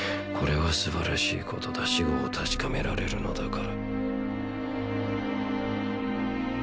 これはすばらしいことだ死後を確かめられるのだから